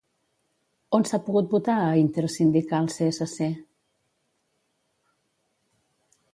On s'ha pogut votar a Intersindical-CSC?